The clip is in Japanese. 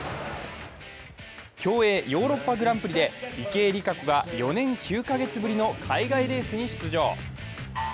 競泳、ヨーロッパグランプリで池江璃花子が４年９か月ぶりの海外レースに出場。